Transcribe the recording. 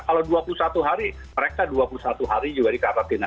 kalau dua puluh satu hari mereka dua puluh satu hari juga dikarantina